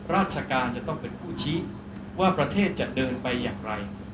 ราชการจะต้องเป็นผู้ชี้ว่าประเทศจะเดินไปอย่างไร